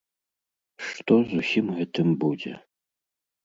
Што з усім гэтым будзе?